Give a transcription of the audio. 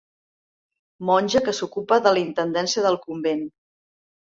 Monja que s'ocupa de la intendència del convent.